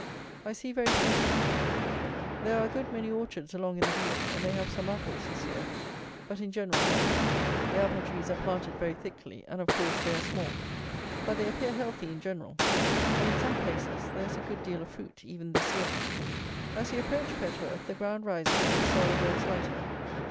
I see very few sheep. There are a good many orchards along in the Weald, and they have some apples this year; but, in general, not many. The apple trees are planted very thickly, and, of course, they are small; but they appear healthy in general; and in some places there is a good deal of fruit, even this year. As you approach Petworth, the ground rises and the soil grows lighter.